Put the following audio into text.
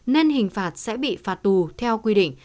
nên hình phạt sẽ bị phạt tù theo quy định